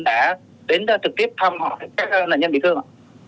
đã đến trực tiếp thăm hỏi các nạn nhân bị thương ạ